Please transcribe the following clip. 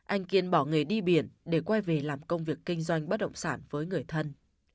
anh kiên bỏ nghề đi biển để quay về làm công việc kinh doanh bất động sản